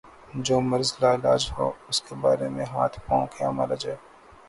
جو مرض لا علاج ہو اس کے بارے میں ہاتھ پاؤں کیا مارا جائے۔